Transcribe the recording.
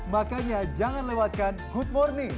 makanya jangan lewatkan good morning